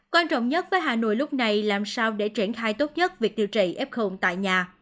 quan trọng nhất với hà nội lúc này làm sao để triển khai tốt nhất việc điều trị f tại nhà